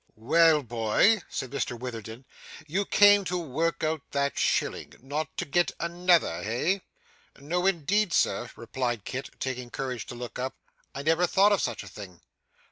'Well, boy,' said Mr Witherden, 'you came to work out that shilling; not to get another, hey?' 'No indeed, sir,' replied Kit, taking courage to look up. 'I never thought of such a thing.